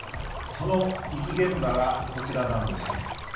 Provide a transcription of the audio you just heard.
その遺棄現場がこちらなんですね。